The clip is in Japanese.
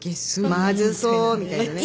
まずそうみたいなね。